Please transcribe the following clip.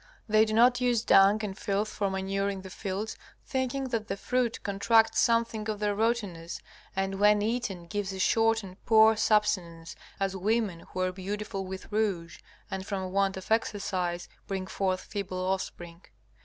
They do not use dung and filth for manuring the fields, thinking that the fruit contracts something of their rottenness, and when eaten gives a short and poor subsistence, as women who are beautiful with rouge and from want of exercise bring forth feeble offspring.